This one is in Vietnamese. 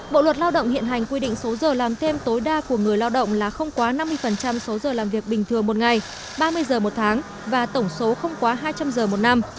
bộ luật lao động hiện hành quy định số giờ làm thêm tối đa của người lao động là không quá năm mươi số giờ làm việc bình thường một ngày ba mươi giờ một tháng và tổng số không quá hai trăm linh giờ một năm